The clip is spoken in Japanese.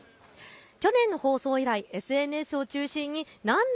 去年の放送以来、ＳＮＳを中心に何だ